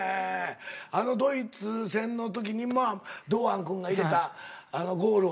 あのドイツ戦の時に堂安君が入れたあのゴールは。